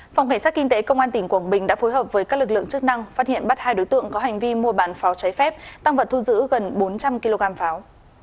phòng cảnh sát kinh tế công an tỉnh quảng bình đã phối hợp với các lực lượng chức năng phát hiện bắt hai đối tượng có hành vi mua bán pháo trái phép tăng vật thu giữ gần bốn trăm linh kg pháo